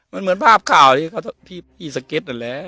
มันเหมือนภาพข่าวที่พี่สเก็ตนั่นแหละ